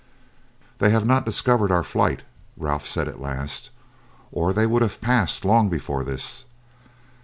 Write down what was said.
"They have not discovered our flight," Ralph said at last, "or they would have passed long before this.